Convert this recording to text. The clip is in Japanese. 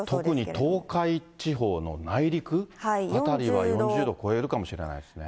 特に東海地方の内陸辺りは４０度超えるかもしれないですね。